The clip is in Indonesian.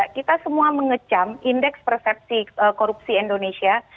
kita semua mengecam indeks persepsi korupsi indonesia